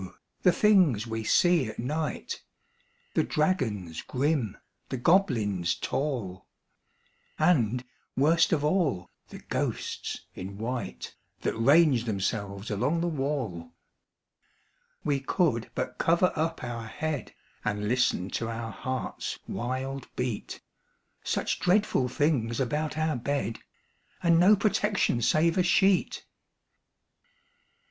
the things we see at night The dragons grim, the goblins tall, And, worst of all, the ghosts in white That range themselves along the wall! We could but cover up our head, And listen to our heart's wild beat Such dreadful things about our bed, And no protection save a sheet!